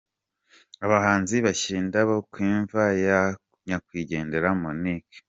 Abahanzi bashyira indabo ku imva ya nyakwigendera Monique.